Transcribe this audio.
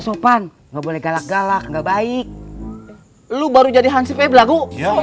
sopan nggak boleh galak galak nggak baik lu baru jadi hansi pelagu